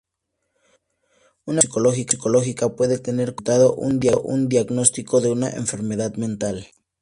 Una evaluación psicológica puede tener como resultado un diagnóstico de una enfermedad mental.